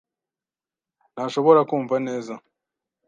ntashobora kumva neza.